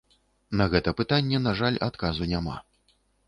На гэта пытанне, на жаль, адказу няма.